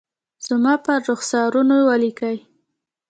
زما پر رخسارونو ولیکلي